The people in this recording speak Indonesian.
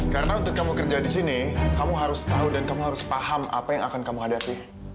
karena untuk kamu kerja di sini kamu harus tahu dan kamu harus paham apa yang akan kamu hadapi